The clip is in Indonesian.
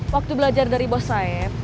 waktu belajar dari bos saif